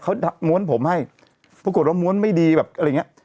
เขาม้วนผมให้ปรากฏว่าม้วนไม่ดีแบบอะไรอย่างเงี้ย